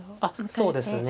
そうですね。